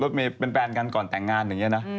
รถเมล์เป็นแฟนกันก่อนแต่งงานแหละ